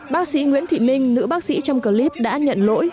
bác sĩ nguyễn thị minh nữ bác sĩ trong clip đã nhận lỗi